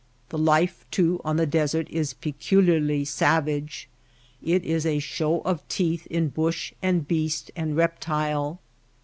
The life, too, on the desert is peculiarly savage. It is a show of teeth in bush and beast and reptile.